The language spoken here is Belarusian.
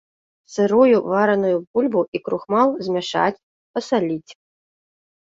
Сырую, вараную бульбу і крухмал змяшаць, пасаліць.